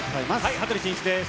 羽鳥慎一です。